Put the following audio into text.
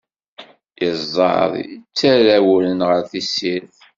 Iẓẓad, itterra awren ɣer tessirt.